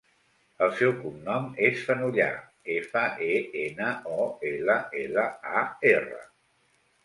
El seu cognom és Fenollar: efa, e, ena, o, ela, ela, a, erra.